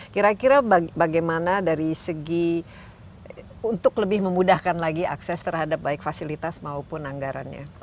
kira kira bagaimana dari segi untuk lebih memudahkan lagi akses terhadap baik fasilitas maupun anggarannya